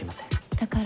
だから。